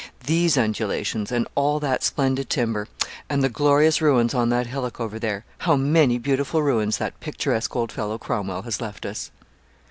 These undulations, and all that splendid timber, and the glorious ruins on that hillock over there! How many beautiful ruins that picturesque old fellow Cromwell has left us.'